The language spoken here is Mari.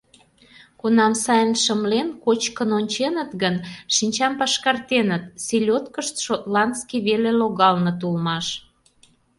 Кунам сайын шымлен, кочкын онченыт гын, шинчам пашкартеныт: селёдкышт шотландский веле логалыныт улмаш.